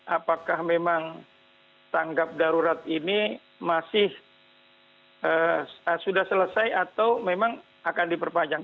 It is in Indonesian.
apakah memang tanggap darurat ini masih sudah selesai atau memang akan diperpanjang